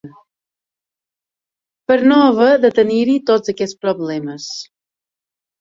Per no haver de tenir-hi tots aquests problemes.